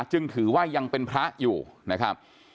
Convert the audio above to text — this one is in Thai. จึงถือว่ายังเป็นพระอยู่นะครับ